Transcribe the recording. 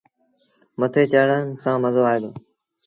مٿي چڙڄڻ سآݩ مزو آئي دو۔